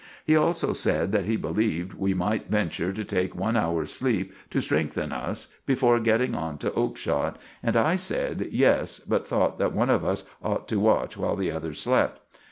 He also said that he beleeved we might venture to take one hour's sleep to strengthen us before getting on to Oakshott, and I sed, "Yes," but thought that one of us ought to watch while the other slept.